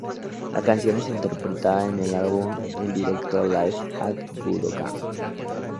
La canción es interpretada en el álbum en directo Live at Budokan.